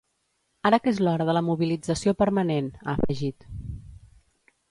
Ara que és l’hora de la mobilització permanent, ha afegit.